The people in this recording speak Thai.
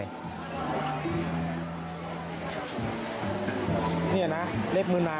นี่อะนะเล็บมือมาง